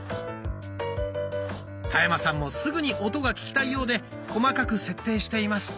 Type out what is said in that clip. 田山さんもすぐに音が聞きたいようで細かく設定しています。